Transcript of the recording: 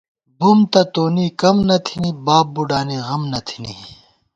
بُم تہ تونی کم نہ تھنی، باب بُوڈانی غم نہ تھنی